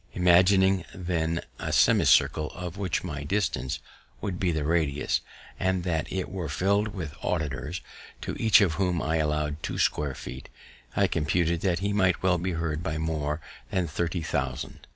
Imagining then a semicircle, of which my distance should be the radius, and that it were fill'd with auditors, to each of whom I allow'd two square feet, I computed that he might well be heard by more than thirty thousand.